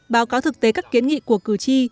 báo cáo thực tế các kiến nghị của cử tri